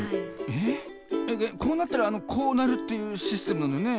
ええっこうなったらこうなるっていうシステムなのよね？